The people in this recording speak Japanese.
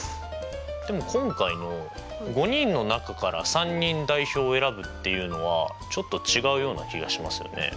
でも今回の５人の中から３人代表を選ぶっていうのはちょっと違うような気がしますよね。